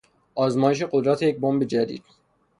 آزمایش قدرت یک بمب جدید